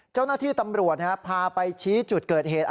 เจ้าหน้าที่ตำรวจพาไปชี้จุดเกิดเหตุ